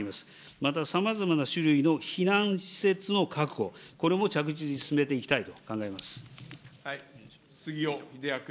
またさまざまな種類の避難施設の確保、これも着実に進めていきた杉尾秀哉君。